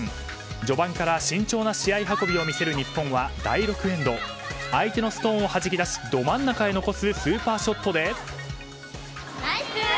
序盤から慎重な試合運びを見せる日本は第６エンド相手のストーンをはじき出しど真ん中に残すスーパーショットで。